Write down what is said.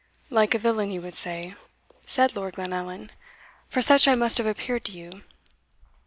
"Like a villain, you would say," said Lord Glenallan "for such I must have appeared to you."